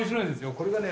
これがね